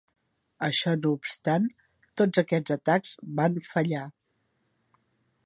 Això no obstant, tots aquests atacs van fallar.